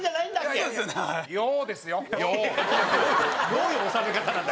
どういう収め方なんだ！